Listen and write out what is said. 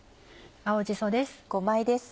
青じそです。